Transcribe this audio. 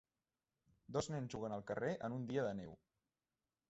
Dos nens juguen al carrer en un dia de neu.